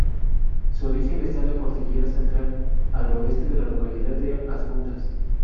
Su origen está en la Cordillera Central al oeste de la localidad de Adjuntas.